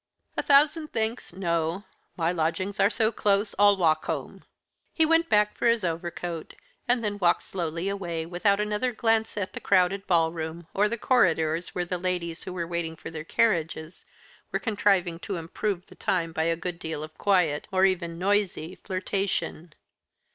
"A thousand thanks no my lodgings are so close, I'll walk home." He went back for his overcoat, and then walked slowly away, without another glance at the crowded ball room, or the corridors where the ladies who were waiting for their carriages were contriving to improve the time by a good deal of quiet, or even noisy, flirtation.